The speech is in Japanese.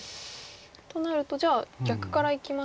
となるとじゃあ逆からいきますか？